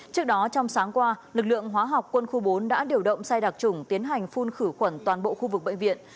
trước đó trong sáng qua lực lượng hóa học quân khu bốn đã điều động xe đặc trùng tiến hành phun khử khuẩn toàn bộ khu vực bệnh viện